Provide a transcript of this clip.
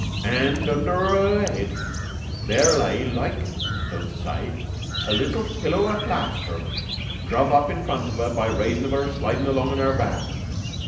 An' under her head there lay, like, so's to say, a little pillow o' plaster druv up in front of her by raison of her slidin' along on her back.